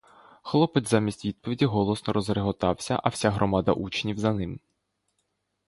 Хлопець замість відповіді голосно розреготався, а вся громада учнів за ним.